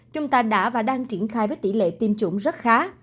chúng ta đã và đang triển khai với tỷ lệ tiêm chủng rất khá